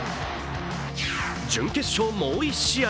準決勝もう１試合。